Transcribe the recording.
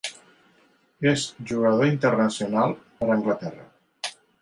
És jugador internacional per Anglaterra.